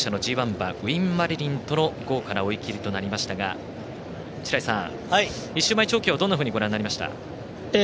馬ウインマリリンとの豪華な追い切りとなりましたが白井さん、１週前調教はどんなふうにご覧になりました？